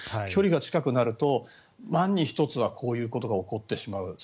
距離が近くなると、万に一つはこういうことが起こってしまう。